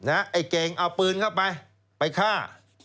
ไอ้เก่งเอาปืนเข้าไปไปฆ่า